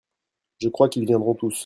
Je crois qu'ils viendront tous.